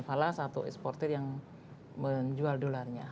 valas atau esporter yang menjual dolarnya